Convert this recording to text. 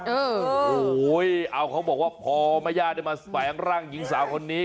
โอ้โหเอาเขาบอกว่าพอแม่ย่าได้มาแฝงร่างหญิงสาวคนนี้